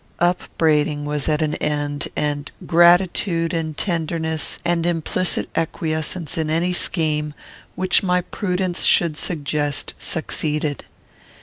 Upbraiding was at an end; and gratitude, and tenderness, and implicit acquiescence in any scheme which my prudence should suggest, succeeded.